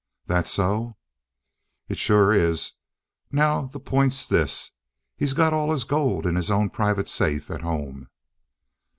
"That so?" "It sure is! Now the point's this. He had all his gold in his own private safe at home."